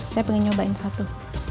saya pengen nyobain satu